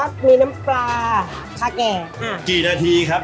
น้ำน้ำปลาน้ำปลา